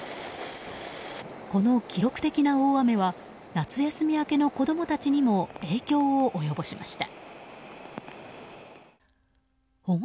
この記録的な大雨は夏休み明けの子供たちにも影響を及ぼしました。